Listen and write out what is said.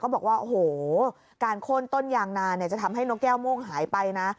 บอกว่าโอ้โหการโค้นต้นยางนาเนี่ยจะทำให้นกแก้วม่วงหายไปนะ